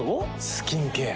スキンケア。